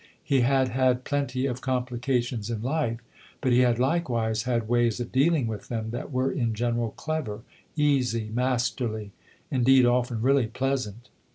He had had plenty of complications in life, but he had likewise had ways of dealing with them that were in general clever, easy, masterly indeed often really pleasant.